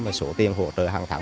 và số tiền hỗ trợ hàng tháng